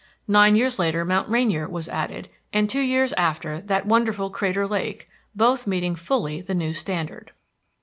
Nine years later Mount Rainier was added, and two years after that wonderful Crater Lake, both meeting fully the new standard.